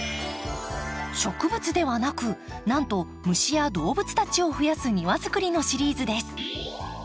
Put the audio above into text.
植物ではなくなんと虫や動物たちをふやす庭づくりのシリーズです。